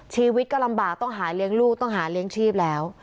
ชีวิตก็ลำบากต้องหาเลี้ยงลูกต้องหาเลี้ยงชีพแล้ว